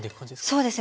そうです。